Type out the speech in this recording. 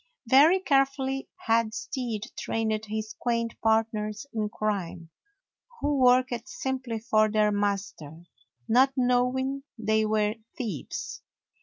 Very carefully had Stead trained his quaint partners in crime, who worked simply for their master, not knowing they were thieves.